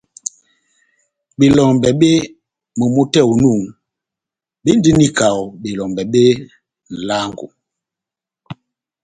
Belɔmbɛ bep momó tɛ́h onu béndini kaho belɔmbɛ bé nʼlángo.